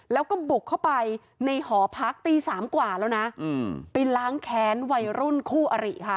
แล้วก็บุกเข้าไปในหอพักตีสามกว่าแล้วนะไปล้างแค้นวัยรุ่นคู่อริค่ะ